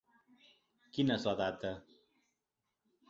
Quina és la data?